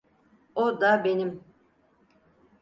O da benim.